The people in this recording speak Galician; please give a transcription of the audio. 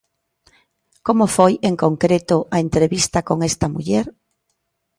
Como foi, en concreto, a entrevista con esta muller?